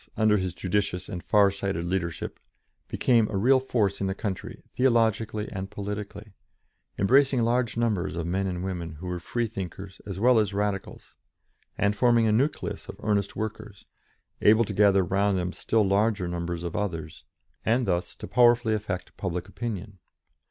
under his judicious and far sighted leadership, became a real force in the country, theologically and politically, embracing large numbers of men and women who were Freethinkers as well as Radicals, and forming a nucleus of earnest workers, able to gather round them still larger numbers of others, and thus to powerfully affect public opinion.